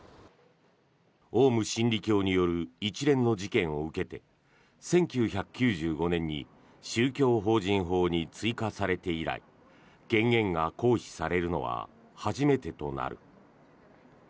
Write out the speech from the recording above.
オウム真理教による一連の事件を受けて１９９５年に宗教法人法に追加されて以来権限が行使されるのは初めてとなる。